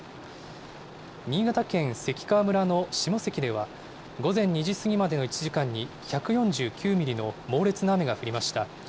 新潟県関川村の下関では、午前２時過ぎまでの１時間に１４９ミリの猛烈な雨が降りました。